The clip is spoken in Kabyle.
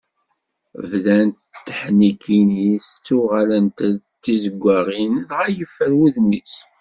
Bdant teḥnikin-is ttuɣalent d tizeggaɣin, dɣa yeffer udem-is.